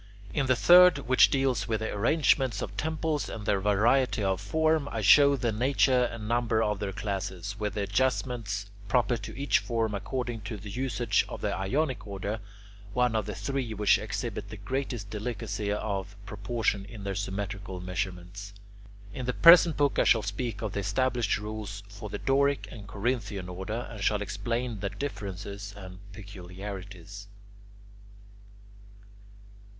In the third, which deals with the arrangements of temples and their variety of form, I showed the nature and number of their classes, with the adjustments proper to each form according to the usage of the Ionic order, one of the three which exhibit the greatest delicacy of proportion in their symmetrical measurements. In the present book I shall speak of the established rules for the Doric and Corinthian orders, and shall explain their differences and peculiarities.